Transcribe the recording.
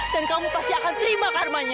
dan kamu pasti akan terima karmanya